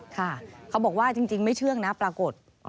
ค่ะเขาบอกว่าจริงไม่เชื่องนะปรากฏ